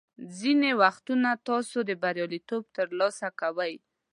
ځینې وختونه تاسو بریالیتوب ترلاسه کوئ.